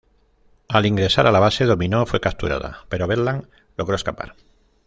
Al ingresar a la base, Dominó fue capturada, pero Bedlam logró escapar.